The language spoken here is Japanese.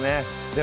で